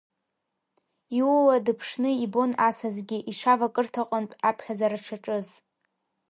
Иула дыԥшны ибон Асасгьы иҽавакырҭаҟынтә аԥхьаӡара дшаҿыз.